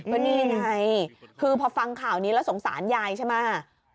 ก็นี่ไงคือพอฟังข่าวนี้แล้วสงสารยายใช่ไหม